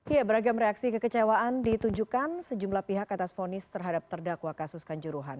ya beragam reaksi kekecewaan ditunjukkan sejumlah pihak atas fonis terhadap terdakwa kasus kanjuruhan